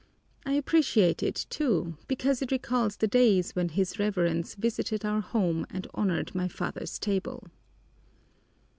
I appreciate it, too, because it recalls the days when his Reverence visited our home and honored my father's table."